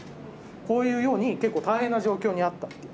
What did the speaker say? こういうように結構大変な状況にあったっていう。